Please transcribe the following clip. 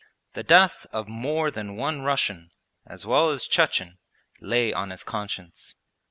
The death of more than one Russian, as well as Chechen, lay on his conscience.